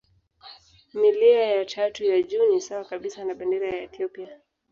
Milia ya tatu ya juu ni sawa kabisa na bendera ya Ethiopia.